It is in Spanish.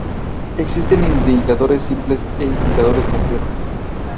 Existen indicadores simples e indicadores complejos.